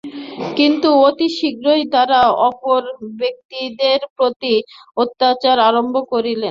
কিন্তু অতি শীঘ্রই তাঁহারা অপর ব্যক্তিদের প্রতি অত্যাচার আরম্ভ করিলেন।